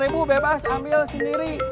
lima bebas ambil sendiri